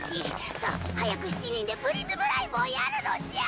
さぁ早く７人でプリズムライブをやるのじゃ！